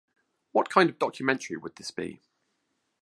What kind of documentary would this be?